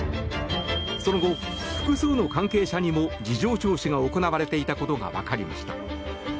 その後、複数の関係者にも事情聴取が行われていたことが分かりました。